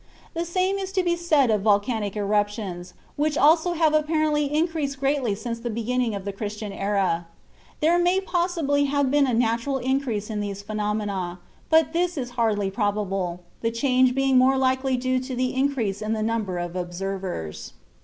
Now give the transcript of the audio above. The same is to be said of volcanic eruptions, which also have apparently increased greatly since the beginning of the Christian era. There may possibly have been a natural increase in these phenomena, but this is hardly probable, the change being more likely due to the increase in the number of observers.